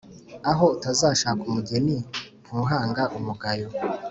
Aho utazashaka umugeni ntuhanga umugayo.